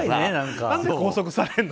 何で拘束されるの？